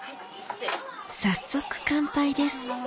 早速乾杯です